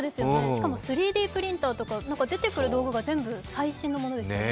しかも３Ｄプリンターとかなんか出てくる道具が全部最新のものでしたね。